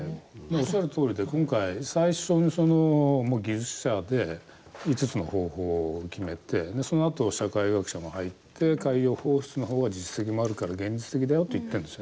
おっしゃるとおりで今回、最初に技術者で５つの方法を決めてそのあと社会学者も入って海洋放出の方は実績もあるから現実的だよと言ってるんですね。